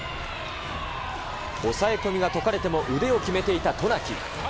押さえ込みがとかれても腕を決めていた渡名喜。